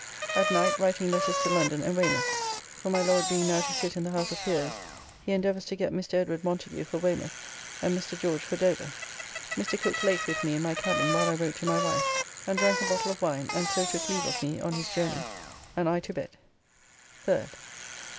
At night writing letters to London and Weymouth, for my Lord being now to sit in the House of Peers he endeavours to get Mr. Edward Montagu for Weymouth and Mr. George for Dover. Mr. Cooke late with me in my cabin while I wrote to my wife, and drank a bottle of wine and so took leave of me on his journey and I to bed. 3d.